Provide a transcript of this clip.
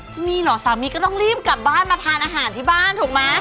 จะมีเหรอสามีก็ต้องรีบกลับบ้านมาทานอาหารที่บ้านถูกไหม